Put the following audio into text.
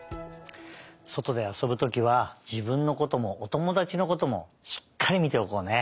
そとであそぶときはじぶんのこともおともだちのこともしっかりみておこうね！